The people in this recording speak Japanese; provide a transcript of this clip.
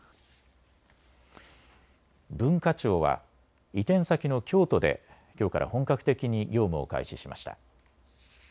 文化庁は移転先の京都できょうから本格的に業務を開始しました。